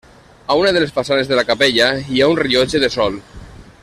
A una de les façanes de la capella hi ha un rellotge de sol.